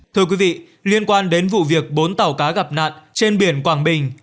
thưa quý vị liên quan đến vụ việc bốn tàu cá gặp nạn trên biển quảng bình